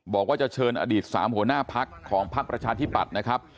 บอกว่าจะเชิญอดีต๓หัวหน้าพักของพักประชาธิปัตย์นะครับ